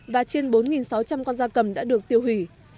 và trên bốn sáu trăm linh con da cầm đã được tiêu hủy